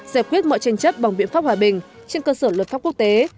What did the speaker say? giải quyết mọi tranh chấp bằng biện pháp hòa bình trên cơ sở luật pháp quốc tế